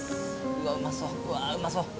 うわっうまそううわっうまそう。